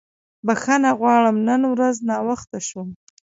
بښنه غواړم نن ورځ ناوخته شو.